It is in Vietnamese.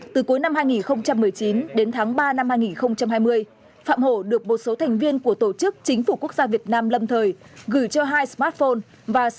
từ cuối năm hai nghìn một mươi chín đến tháng ba năm hai nghìn hai mươi phạm hổ được một số thành viên của tổ chức chính phủ quốc gia việt nam lâm thời gửi cho hai smartphone và sho